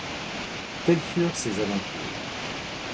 Telles furent ces aventures.